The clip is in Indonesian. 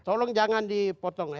tolong jangan dipotong ya